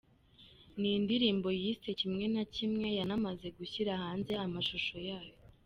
Ni indirimbo yise ‘Kimwe Kimwe’yanamaze gushyira hanze amashusho yayo.